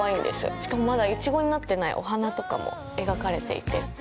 しかもまだイチゴになってないお花とかも描かれていて。